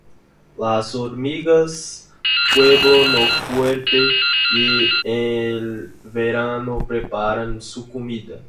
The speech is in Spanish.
Las hormigas, pueblo no fuerte, Y en el verano preparan su comida;